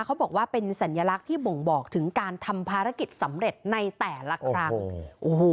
เขาบอกว่าเป็นสัญลักษณ์ที่บ่งบอกถึงการทำภารกิจสำเร็จในแต่ละครั้งโอ้โห